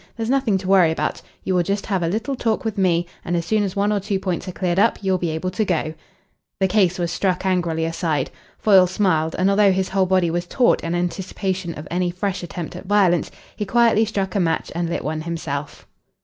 There's nothing to worry about. You will just have a little talk with me, and as soon as one or two points are cleared up you'll be able to go." The case was struck angrily aside. Foyle smiled, and although his whole body was taut in anticipation of any fresh attempt at violence, he quietly struck a match and lit one himself.